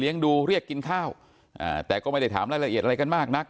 ดูเรียกกินข้าวแต่ก็ไม่ได้ถามรายละเอียดอะไรกันมากนัก